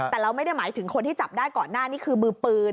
แต่เราไม่ได้หมายถึงคนที่จับได้ก่อนหน้านี้คือมือปืน